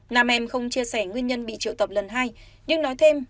nam em không chia sẻ nguyên nhân bị triệu tập lần hai nhưng nói thêm